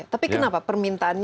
tapi kenapa permintaannya itu karena